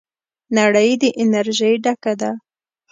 نړۍ د انرژۍ ډکه ده.